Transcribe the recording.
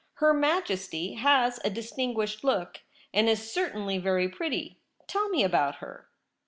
Her Majesty has a distinguished look, and is certainly very pretty. Tell me about her.'